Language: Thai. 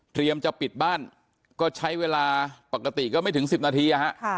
จะปิดบ้านก็ใช้เวลาปกติก็ไม่ถึง๑๐นาที